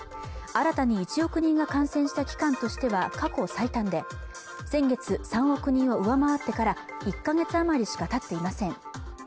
新たに１億人が感染した期間としては過去最短で先月３億人を上回ってから１か月余りしかたっていません